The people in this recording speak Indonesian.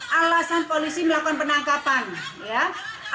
alasan polisi melakukan penangkapan ya